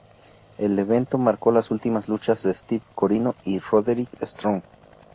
El evento marcó las últimas luchas de Steve Corino y Roderick Strong.